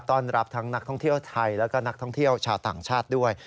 ต้อนรับทั้งนักท่องเที่ยวไทยแล้วก็นักท่องเที่ยวชาวต่างชาติด้วย